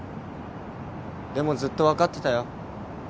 でもずっと分かってたよ。